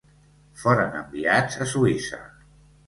Foren enviats a Suïssa.